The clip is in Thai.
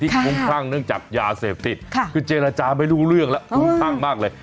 ที่คุ้มข้างเนื่องจากยาเสพฤตคุณเจรจาไม่รู้เรื่องละคุ้มข้างมากเลย